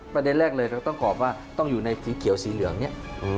ประเด็นแรกเลยเราต้องตอบว่าต้องอยู่ในสีเขียวสีเหลืองเนี่ย